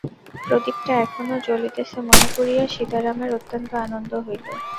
প্রদীপটা এখনো জ্বলিতেছে মনে করিয়া সীতারামের অত্যন্ত আনন্দ হইল।